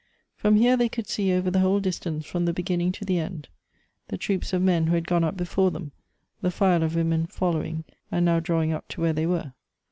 From here they could see over the whole distance from the beginning to the end — the troops of men who had gone up before them, the file of women following, and now drawing up to where they were.